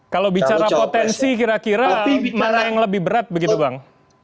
kalau bicara potensi kira kira mana yang lebih berat begitu bang